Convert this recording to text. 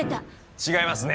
違いますね。